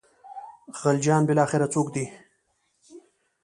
خلجیان بالاخره څوک دي.